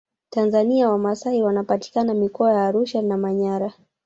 tanzania wamasai wanapatikana mikoa ya arusha na manyara